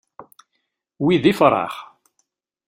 Wi d ifṛax.